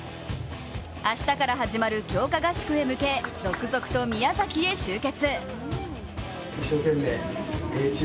明日から始まる強化合宿へ向け続々と宮崎に集結。